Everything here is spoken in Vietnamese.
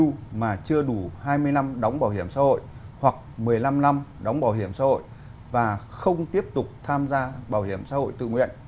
hưu mà chưa đủ hai mươi năm đóng bảo hiểm xã hội hoặc một mươi năm năm đóng bảo hiểm xã hội và không tiếp tục tham gia bảo hiểm xã hội tự nguyện